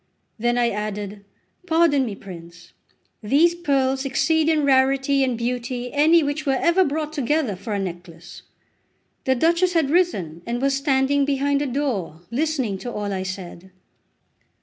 Then I added: "Pardon me, prince! These pearls exceed in rarity and beauty any which were ever brought together for a necklace." The Duchess had risen, and was standing behind a door listening to all I said.